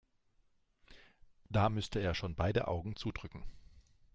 Da müsste er schon beide Augen zudrücken.